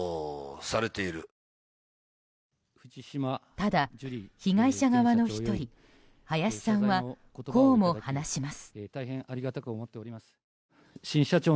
ただ、被害者側の１人ハヤシさんはこうも話します。